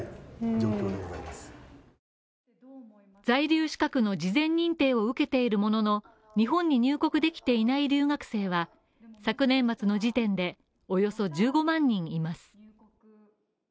在留資格の事前認定を受けているものの日本に入国できていない留学生は昨年末の時点でおよそ１５万人います。